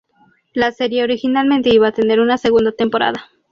La serie originalmente iba a tener una segunda temporada.